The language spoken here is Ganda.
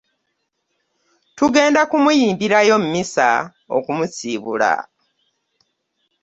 Tugenda kumuyimbirayo mmisa okumusiibula.